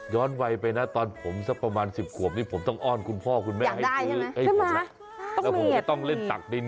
ย้อนไว่ไปนะตอนผมประมาณ๑๐ขวบนี้ผมต้องอ้อนคุณพ่อคุณแม่ขึ้นมาแล้วผมไม่ต้องเล่นตักดิน